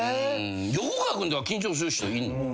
横川君とか緊張する人いるの？